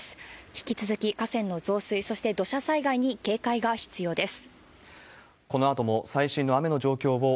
引き続き河川の増水、そして土砂災害に警戒が必要です。